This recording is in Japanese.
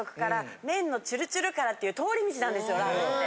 ラーメンって。